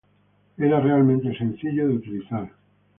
Era realmente sencillo de utilizar.